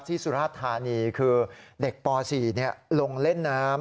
สุราชธานีคือเด็กป๔ลงเล่นน้ำ